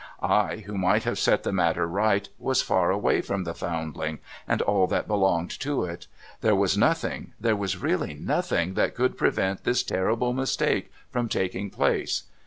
I, who might have set the matter right, was far away from the Foundling and all that belonged to it. There was nothing — there was really nothing that could prevent this terrible mistake from taking place.